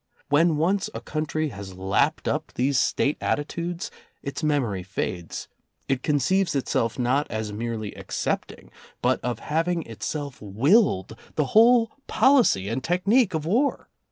When once a country has lapped up these State attitudes, its memory fades; it conceives itself not as merely accepting, but of having itself willed the whole policy and technique of war.